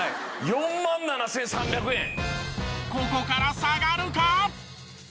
ここから下がるか！？